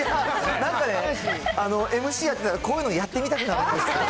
ＭＣやってたら、こういうのやってみたくなるんです。